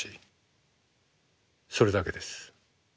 それだけです。